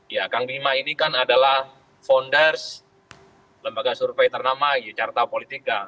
ya kang bima ini kan adalah founders lembaga survei ternama yudcarta politika